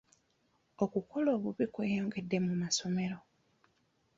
Okukola obubi kweyongedde mu masomero.